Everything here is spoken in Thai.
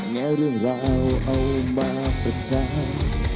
แง่เรื่องราวเอามาแฟนแจ้ง